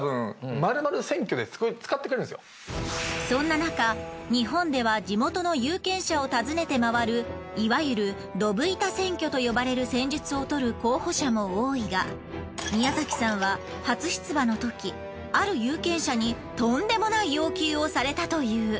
そんななか日本では地元の有権者を訪ねて回るいわゆるどぶ板選挙と呼ばれる戦術をとる候補者も多いが宮崎さんは初出馬のときある有権者にトンデモない要求をされたという。